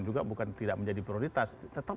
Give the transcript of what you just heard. juga bukan tidak menjadi prioritas tetap